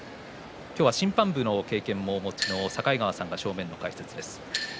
審判部の経験もお持ちの境川さんが正面の解説です。